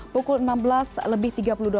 pukul enam belas lebih tiba